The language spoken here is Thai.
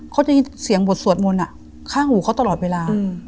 เขาจะยินเสียงบทสวดมนต์อ่ะฆ่าหูเขาตลอดเวลา